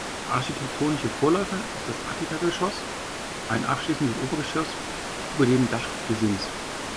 Der architektonische Vorläufer ist das Attikageschoss, ein abschließendes Obergeschoss über dem Dachgesims.